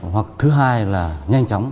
hoặc thứ hai là nhanh chóng